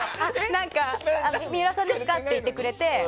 水卜さんですか？って言ってくれて。